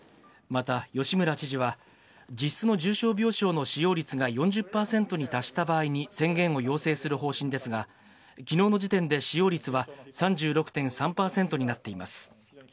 また吉村知事は、実質の重症病床の使用率が４０％に達した場合に宣言を要請する方針ですが、きのうの時点で使用率は３６．３％になっています。